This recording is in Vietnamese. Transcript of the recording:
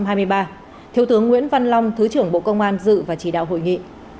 thiếu tướng nguyễn văn long thứ trưởng bộ công an dự và chỉ đạo hội nghị